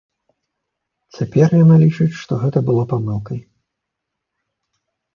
Цяпер яна лічыць, што гэта было памылкай.